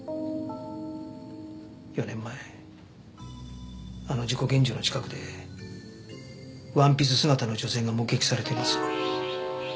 ４年前あの事故現場の近くでワンピース姿の女性が目撃されています。